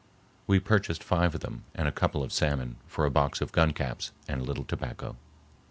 We purchased five of them and a couple of salmon for a box of gun caps and a little tobacco.